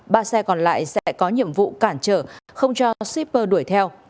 ba xe còn lại sẽ có nhiệm vụ cản trở không cho shipper đuổi theo